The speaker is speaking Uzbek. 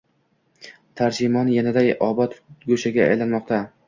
Tallimarjon yanada obod go‘shaga aylanmoqda